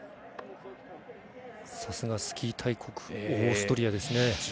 さすがスキー大国オーストリアですね。